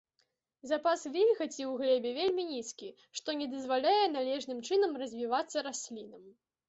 Запас вільгаці ў глебе вельмі нізкі, што не дазваляе належным чынам развівацца раслінам.